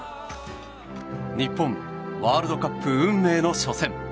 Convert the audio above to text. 日本ワールドカップ運命の初戦。